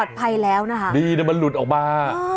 ดีนะมันหลุดออกมา